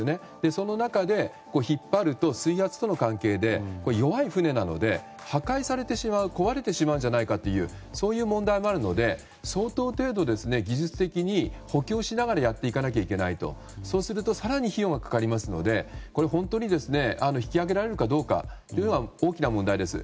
その中で引っ張ると水圧との関係で弱い船なので破壊されてしまう壊れてしまうんじゃないかという問題があるので相当程度、技術的に補強しながらやっていかなきゃいけないとそうすると更に費用がかかりますので本当に引き揚げられるかどうかは大きな問題です。